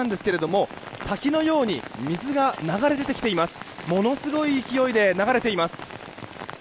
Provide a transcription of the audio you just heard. ものすごい勢いで流れています。